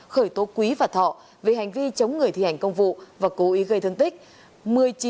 khởi tố quý và thọ về hành vi chống người thi hành công vụ và cố ý gây thương tích